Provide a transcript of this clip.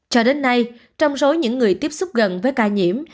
cho đến nay trong số những người tiếp xúc gần với ca nhiễm